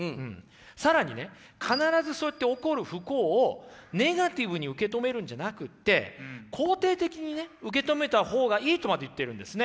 更にね必ずそうやって起こる不幸をネガティブに受け止めるんじゃなくて肯定的に受け止めた方がいいとまで言ってるんですね。